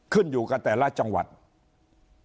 ขึ้นอยู่กับแต่ละจังหวัด